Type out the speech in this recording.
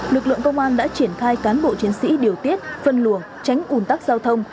lực lượng công an đã triển khai cán bộ chiến sĩ điều tiết phân luồng tránh ủn tắc giao thông